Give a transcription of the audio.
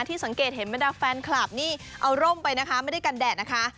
สังเกตเห็นบรรดาแฟนคลับนี่เอาร่มไปนะคะไม่ได้กันแดดนะคะ